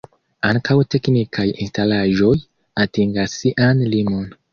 Ankaŭ teknikaj instalaĵoj atingas sian limon.